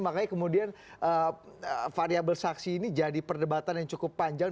makanya kemudian variable saksi ini jadi perdebatan yang cukup panjang